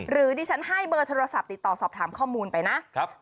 หรือดิฉันให้เบอร์โทรศัพท์ติดต่อสอบถามข้อมูลไปนะ